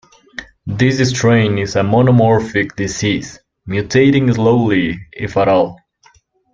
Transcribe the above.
This strain is a monomorphic disease, mutating slowly if at all.